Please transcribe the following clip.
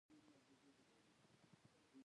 دوی خپلې پانګې وروسته پاتې هېوادونو ته صادروي